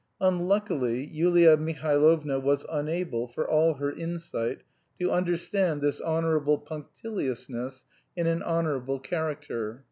Unluckily, Yulia Mihailovna was unable, for all her insight, to understand this honourable punctiliousness in an honourable character.